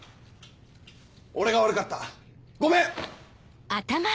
俺が悪かったごめん！